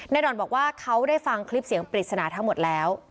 ด่อนบอกว่าเขาได้ฟังคลิปเสียงปริศนาทั้งหมดแล้ว